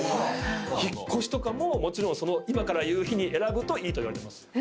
引っ越しとかももちろん今から言う日に選ぶといいといわれてます。